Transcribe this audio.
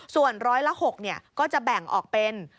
ส่วนร้อยละ๖ก็จะแบ่งออกเป็น